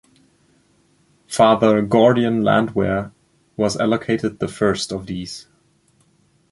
Father Gordian Landwehr was allocated the first of these.